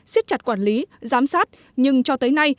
siết chặt quản lý giám sát nhưng cho tới nay